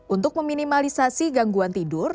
untuk meminimalisasi gangguan tidur